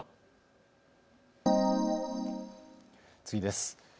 次です。